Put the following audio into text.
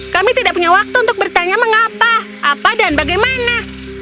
kami tidak punya waktu untuk bertanya mengapa apa dan bagaimana